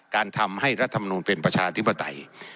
การทำให้รัฐมนูลเป็นประชาธิปไตย